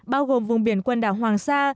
bao gồm vùng biển quần đảo hoàng sa